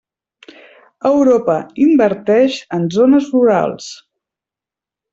Europa invertix en zones rurals.